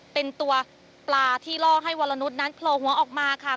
เป็นตัวปลาที่ล่อให้วรนุษย์นั้นโผล่หัวออกมาค่ะ